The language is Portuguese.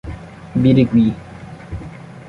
Birigui